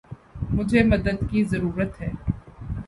مجھے مدد کی ضرورت ہے۔